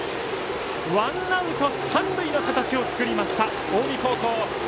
ワンアウト、三塁の形を作った近江高校。